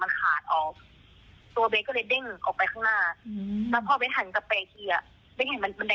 บันไดเลือดมันก็ยังไม่หยุด